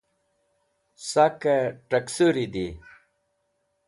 Sake Taksuri Di